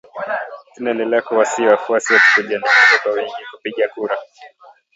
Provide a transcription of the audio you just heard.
Tunaendelea kuwasihi wafuasi wetu kujiandikisha kwa wingi kupiga kura